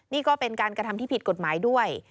นี่ก็เป็นการกระทำที่ผิดกฎหมายด้วย